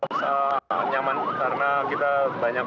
di tunggal putra saya cukup nyaman karena kita banyak